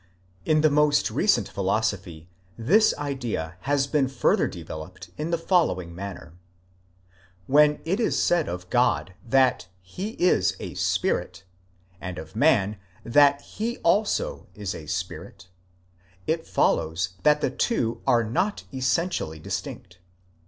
In the most recent philosophy this idea has been further developed in the following manner.? When it is said of God that he is a Spirit, and of man that he also is a Spirit, it follows that the two are not essentially distinct.